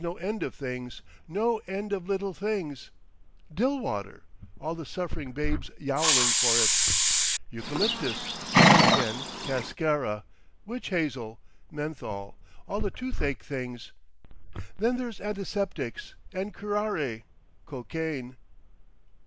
"Lord! there's no end of things—no end of little things. Dill water—all the suffering babes yowling for it. Eucalyptus again—cascara—witch hazel—menthol—all the toothache things. Then there's antiseptics, and curare, cocaine...."